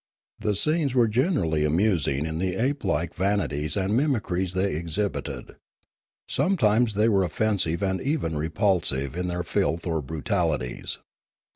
The scenes were generally amusing in the ape like vanities and mimicries they exhibited. Sometimes they were offensive and even repulsive in their filth or brutalities.